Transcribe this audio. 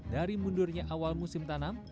dari mundurnya awal musim tanam